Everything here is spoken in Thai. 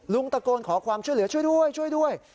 ตะโกนขอความช่วยเหลือช่วยด้วยช่วยด้วย